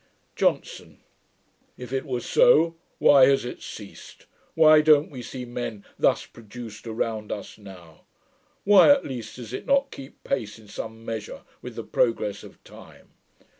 JOHNSON. 'If it were so, why has it ceased? Why don't we see men thus produced around us now? Why, at least, does it not keep pace, in some measure, with the progress of time?